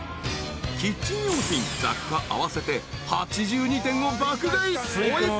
［キッチン用品雑貨合わせて８２点を爆買い］